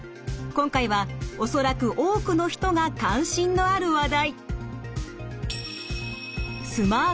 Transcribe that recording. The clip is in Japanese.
今回は恐らく多くの人が関心のある話題。